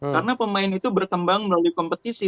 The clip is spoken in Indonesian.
karena pemain itu berkembang melalui kompetisi